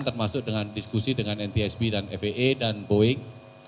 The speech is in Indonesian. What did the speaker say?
termasuk dengan diskusi dengan ntsb dan faa dan boeing